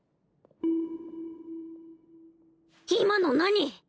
今の何？